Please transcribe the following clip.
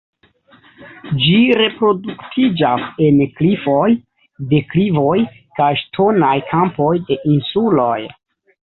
Ĝi reproduktiĝas en klifoj, deklivoj kaj ŝtonaj kampoj de insuloj.